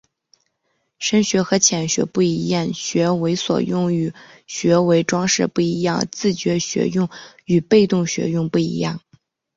深学与浅学不一样、学为所用与学为‘装饰’不一样、自觉学用与被动学用不一样